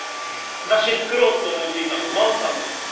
雑誌作ろうと思いついたの万さんなのにさ。